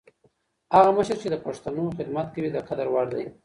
هغه مشر چي د پښتنو خدمت کوي، د قدر وړ دی.